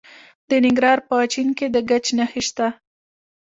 د ننګرهار په اچین کې د ګچ نښې شته.